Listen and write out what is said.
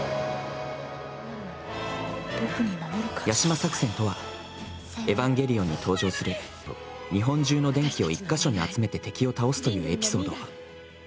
「ヤシマ作戦」とは「エヴァンゲリオン」に登場する日本中の電気を一か所に集めて敵を倒すというエピソード。